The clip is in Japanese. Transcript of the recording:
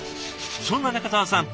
そんな仲澤さん